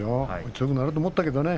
強くなると思ったけれどね。